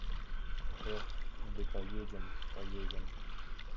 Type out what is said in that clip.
Эх, ды паедзем, паедзем!